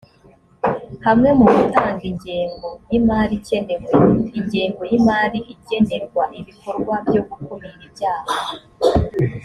hamwe mu gutanga ingengo y imari ikenewe ingengo y imari igenerwa ibikorwa byo gukumira ibyaha